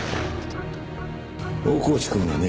大河内くんがね